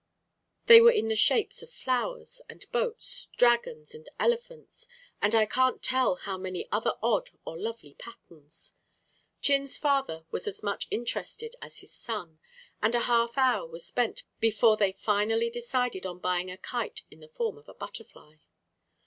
They were in the shapes of flowers and boats, dragons and elephants, and I can't tell how many other odd or lovely patterns. Chin's father was as much interested as his son, and a half hour was spent before they finally decided on buying a kite in the form of a butterfly.